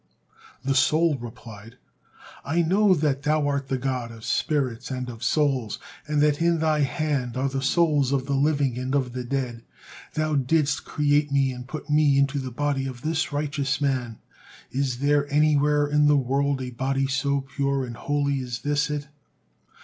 The soul replied: "I know that Thou art the God of spirits and of souls, and that in Thy hand are the souls of the living and of the dead. Thou didst create me and put me into the body of this righteous man. Is there anywhere in the world a body so pure and holy as this it?